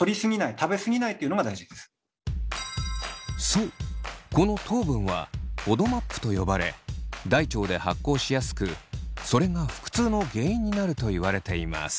そうこの糖分はＦＯＤＭＡＰと呼ばれ大腸で発酵しやすくそれが腹痛の原因になるといわれています。